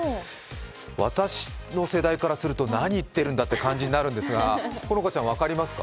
私の世代からすると、何言ってるんだという感じになるんですが、好花ちゃん分かりますか？